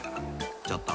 ちょっと！